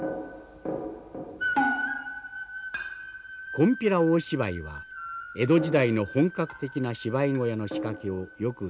金毘羅大芝居は江戸時代の本格的な芝居小屋の仕掛けをよく伝えています。